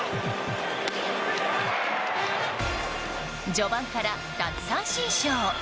序盤から奪三振ショー。